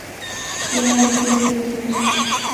Tiene hábitos diurnos.